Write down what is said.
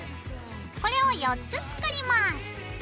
これを４つ作ります。